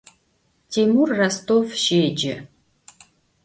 Timur Rostov şêce.